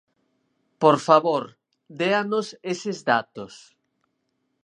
Por favor, déanos eses datos.